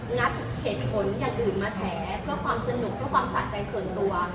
งัดเหตุผลอย่างอื่นมาแฉเพื่อความสนุกเพื่อความสะใจส่วนตัว